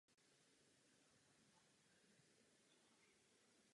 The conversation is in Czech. Nejlepší sportovní výsledek na světě se nazývá světový rekord.